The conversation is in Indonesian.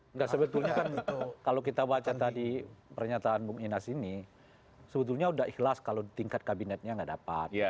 enggak sebetulnya kan kalau kita baca tadi pernyataan bung inas ini sebetulnya sudah ikhlas kalau tingkat kabinetnya nggak dapat